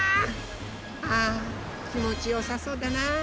あきもちよさそうだな。